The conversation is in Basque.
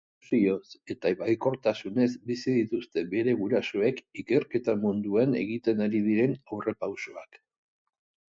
Ilusioz eta baikortasunez bizi dituzte bere gurasoek ikerketa munduan egiten ari diren aurrerapausoak.